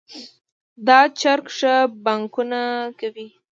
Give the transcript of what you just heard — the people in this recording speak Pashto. دا چرګ ښه بانګونه کوي